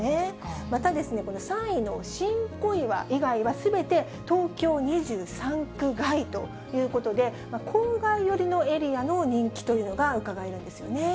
また、この３位の新小岩以外は、すべて東京２３区外ということで、郊外寄りのエリアの人気というのがうかがえるんですよね。